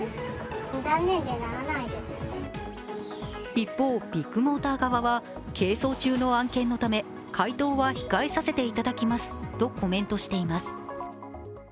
一方、ビッグモーター側は係争中の案件のため回答は控えさせていただきますとコメントしています。